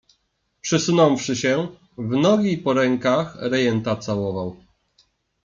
"Przysunąwszy się, w nogi i po rękach rejenta całował."